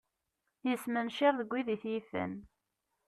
Yesmencir deg wid i t-yifen.